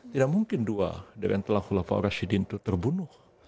tidak mungkin dua dari empat khulafah rasidin itu terbunuh